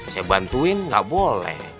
saya bantuin nggak boleh